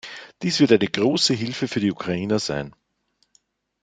Dies wird eine große Hilfe für die Ukrainer sein.